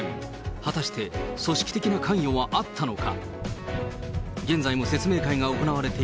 果たして組織的な関与はあったのか。